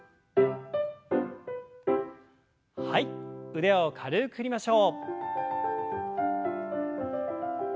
腕を軽く振りましょう。